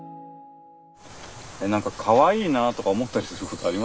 何かかわいいなとか思ったりすることありますか？